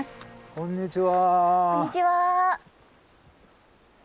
こんにちは。